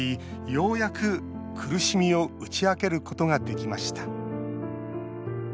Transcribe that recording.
ようやく苦しみを打ち明けることができました。